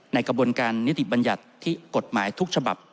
ในกระบวนการนิติบัญญัติที่กฎหมายทุกฉบับ